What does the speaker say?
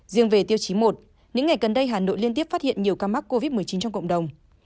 riêng về tiêu chí một những ngày gần đây hà nội liên tiếp phát hiện nhiều ca mắc covid một mươi chín trong cộng đồng